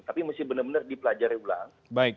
tapi mesti benar benar dipelajari ulang